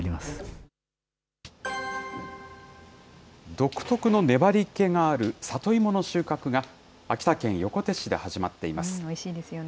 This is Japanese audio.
独特の粘りけがある、里芋の収穫が秋田県横手市で始まっおいしいですよね。